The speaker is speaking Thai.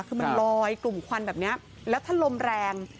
คือมันลอยกลุ่มควันแบบนี้แล้วถ้าลมแรง